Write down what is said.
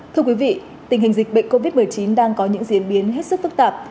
thưa quý vị tình hình dịch bệnh covid một mươi chín đang có những diễn biến hết sức phức tạp